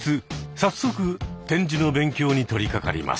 早速点字の勉強に取りかかります。